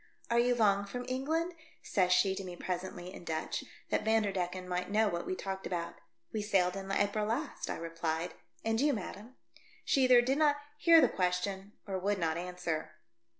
"Are you long from England?" says she to me presently in Dutch, that Vanderdecken might know what we talked about. " We sailed in April last," I replied. "And you, madam ?" She either did not hear the question or would not answer.